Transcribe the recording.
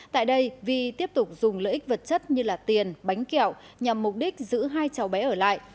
tại đây vi tiếp tục dùng lợi ích vật chất như tiền bánh kẹo nhằm mục đích giữ hai cháu bé ở lại